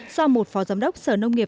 do một phó giám đốc sở nông nghiệp